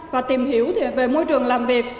và tìm hiểu về môi trường làm việc